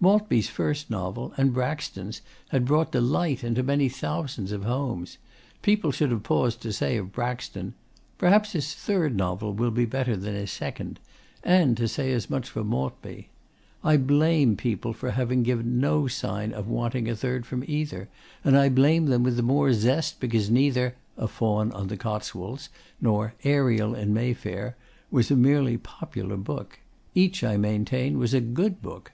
Maltby's first novel, and Braxton's, had brought delight into many thousands of homes. People should have paused to say of Braxton "Perhaps his third novel will be better than his second," and to say as much for Maltby. I blame people for having given no sign of wanting a third from either; and I blame them with the more zest because neither 'A Faun on the Cotswolds' nor 'Ariel in Mayfair' was a merely popular book: each, I maintain, was a good book.